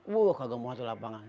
wah kagak muat lapangan